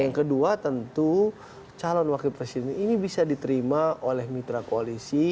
yang kedua tentu calon wakil presiden ini bisa diterima oleh mitra koalisi